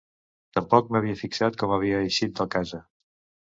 Tampoc m'havia fixat com havia eixit de casa.